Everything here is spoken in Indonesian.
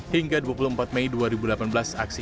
hingga dua puluh empat mei dua ribu delapan belas aksi